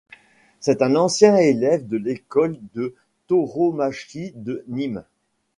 C'est un ancien élève de l'école de tauromachie de Nîmes.